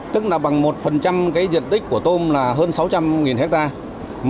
tức là bằng một cái diện tích của tôm là hơn sáu trăm linh hectare